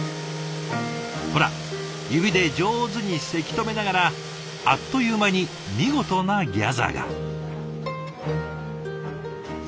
ほら指で上手にせき止めながらあっという間に見事なギャザーが。